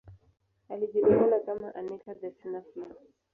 Alijulikana kama Anica the Snuffling.